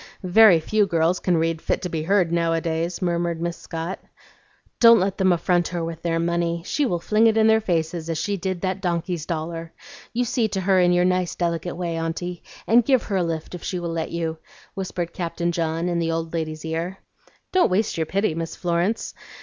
"Very few girls can read fit to be heard now a days," murmured Miss Scott. "Don't let them affront her with their money; she will fling it in their faces as she did that donkey's dollar. You see to her in your nice, delicate way, Aunty, and give her a lift if she will let you," whispered Captain John in the old lady's ear. "Don't waste your pity, Miss Florence.